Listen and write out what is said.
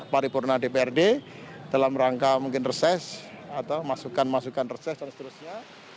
paripurna dprd dalam rangka mungkin reses atau masukan masukan reses dan seterusnya